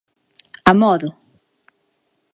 A modo.